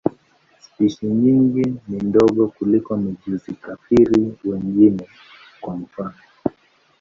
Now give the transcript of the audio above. Spishi nyingi ni ndogo kuliko mijusi-kafiri wengine, kwa mfano.